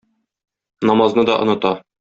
Намазны да оныта.